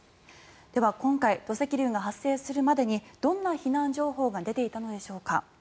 では今回土石流が発生するまでにどんな避難情報が出ていたのでしょうか。